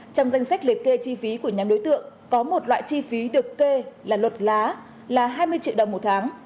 trong danh sách liệt kê chi phí của nhóm đối tượng có một loại chi phí được kê là luật lá là hai mươi triệu đồng một tháng